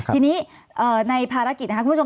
ทีนี้ในภารกิจนะคะคุณผู้ชม